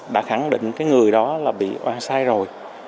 đã khẳng định cái người đó là bị oa sai rồi